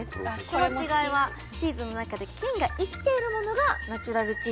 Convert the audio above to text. その違いはチーズの中で菌が生きているものがナチュラルチーズ。